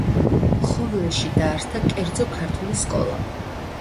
ხოვლეში დაარსდა კერძო ქართული სკოლა.